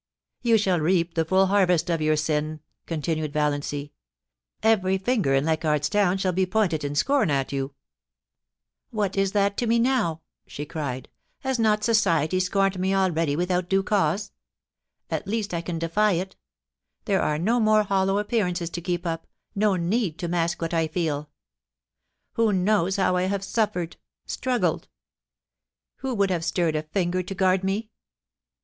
* You shall reap the full harvest of your sin,' continued Valiancy. 'Every finger in Leichardt's Town shall be pointed in scorn at you.' * IF I HA VE BEEN BAD TO YOU, IT IS ENDED: 321 * What is that to me now ?' she cried * Has not society scorned me already without due cause ? At least I can defy it There are no more hollow appearances to keep up — no need to mask what I feeL Who knows how I have suffered — struggled ? Who would have stirred a finger to guard me